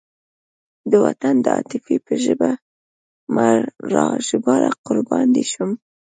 د وطن د عاطفې په ژبه مه راژباړه قربان دې شم.